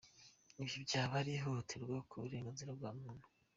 Ibi byaba ari ihohotera ku burenganzira bwa muntu.